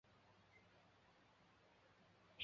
伽罗瓦连接不唯一的确定自闭包算子。